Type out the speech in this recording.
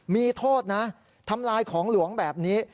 มีโทษนะทำลายของหลวงแบบนี้